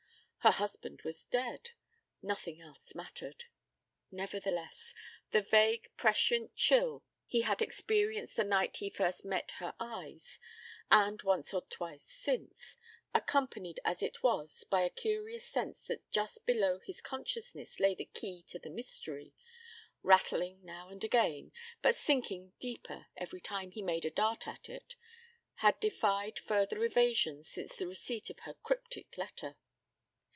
Her husband was dead. Nothing else mattered. Nevertheless, the vague prescient chill he had experienced the night he first met her eyes, and once or twice since, accompanied as it was by a curious sense that just below his consciousness lay the key to the mystery, rattling now and again, but sinking deeper every time he made a dart at it, had defied further evasion since the receipt of her cryptic letter.